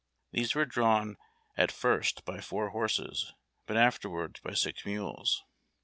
These were drawn at first by four horses, but afterwards by six mules.